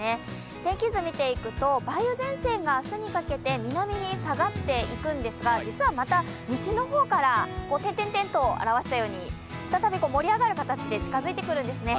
天気図、見ていくと梅雨前線が明日にかけて南に下がっていくんですが、実はまた西の方からてんてんてんと表したように再び盛り上がるように近づいてくるんですね、